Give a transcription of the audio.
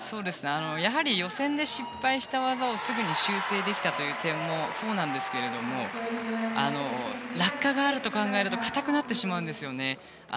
やはり予選で失敗した技をすぐに修正できたという点もそうなんですけど落下があると考えると硬くなってしまうんですよね。